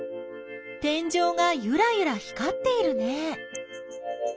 天井がゆらゆら光っているね。